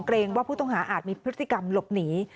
ว่าผู้ต้องหาอาจมีพฤติกรรมหลบหนี